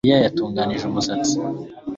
Mariya yatunganije umusatsi